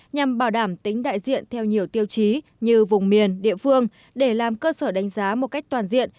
nhằm bảo đảm tính đại diện theo nhiều tiêu chí như vùng miền địa phương để làm cơ sở đánh giá một cách toàn diện